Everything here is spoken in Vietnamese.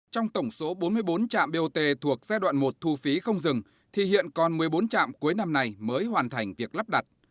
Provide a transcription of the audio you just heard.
trong tổng số bốn mươi bốn trạm bot thuộc giai đoạn một thu phí không dừng thì hiện còn một mươi bốn trạm cuối năm này mới hoàn thành việc lắp đặt